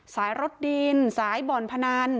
สายรถดินสายบ่อนพนัน